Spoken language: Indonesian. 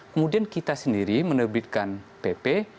kemudian kita sendiri menerbitkan pp